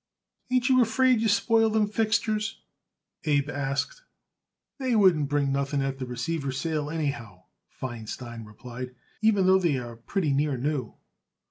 "Ain't you afraid you spoil them fixtures?" Abe asked. "They wouldn't bring nothing at the receiver's sale, anyhow," Feinstein replied, "even though they are pretty near new."